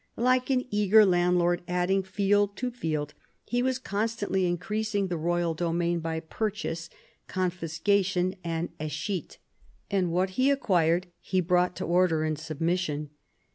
Like an eager landlord adding field to field, he was constantly increasing the royal domain by purchase, confiscation, and escheat. And what he acquired he brought to order and submission.